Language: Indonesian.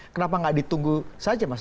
kenapa nggak ditunggu saja mas